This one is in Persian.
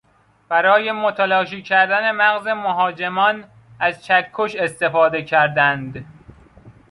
برای متلاشی کردن مغز مهاجمان از چکش استفاده کردند.